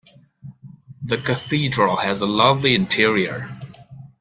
The Cathedral has a lovely interior.